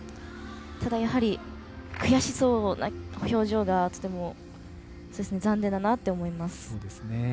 ただ、やはり悔しそうな表情が、とても残念だなと思います。